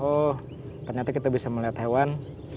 oh ternyata kita bisa melihat hewan